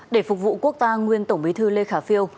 để phục vụ quốc ta nguyên tổng bí thư lê khả phiêu